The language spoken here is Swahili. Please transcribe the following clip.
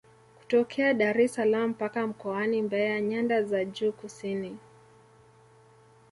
Kutokea Daressalaam mpaka mkoani Mbeya nyanda za juu kusini